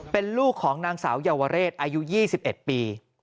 เป็นลูกของนางสาวเยาวเรศอายุ๒๑ปี